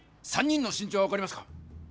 ３人の身長は分かりますか？